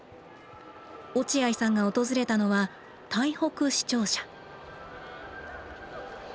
落合さんが訪れたのは台北市庁舎。